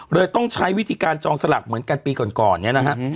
เลยต้องใช้วิธีการจองสลักเหมือนกันปีก่อนเนี่ยนะฮะ